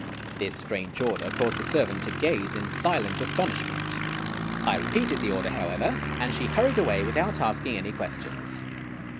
This strange order caused the servant to gaze in silent astonishment. I repeated the order, however, and she hurried away without ask ing any questions.